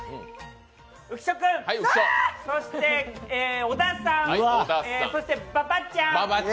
浮所君、そして小田さんそして馬場ちゃん。